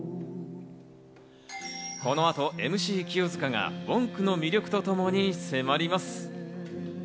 この後、ＭＣ清塚がＷＯＮＫの魅力とともに迫ります！